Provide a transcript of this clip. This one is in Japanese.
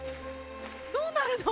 どうなるの？